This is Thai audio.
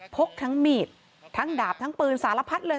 กทั้งมีดทั้งดาบทั้งปืนสารพัดเลย